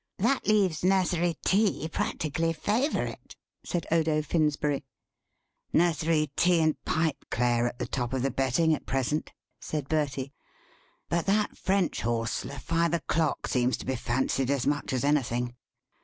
"That leaves Nursery Tea practically favourite," said Odo Finsberry. "Nursery Tea and Pipeclay are at the top of the betting at present," said Bertie, "but that French horse, Le Five O'Clock, seems to be fancied as much as anything.